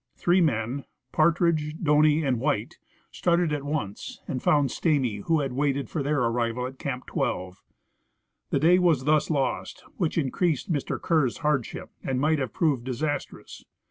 Three men. Partridge, Doney, and White, started at once, and found Stamy, who had waited for their arrival at Camp 12. A day was thus lost, which increased Mr. Kerr's hardship and might have proved disastrous.